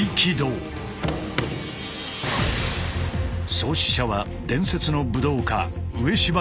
創始者は伝説の武道家植芝盛平。